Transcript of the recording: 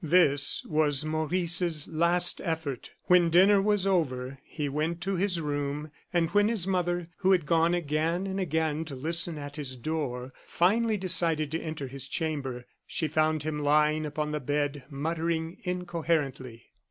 This was Maurice's last effort. When dinner was over he went to his room, and when his mother, who had gone again and again to listen at his door, finally decided to enter his chamber, she found him lying upon the bed, muttering incoherently.